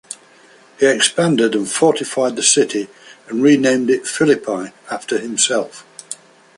He expanded and fortified the city and renamed it Philippi after himself.